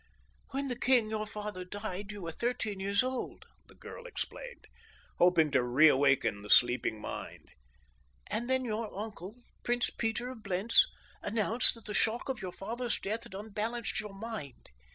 "When the king, your father, died you were thirteen years old," the girl explained, hoping to reawaken the sleeping mind, "and then your uncle, Prince Peter of Blentz, announced that the shock of your father's death had unbalanced your mind.